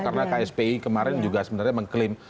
karena kspi kemarin juga sebenarnya mengklaim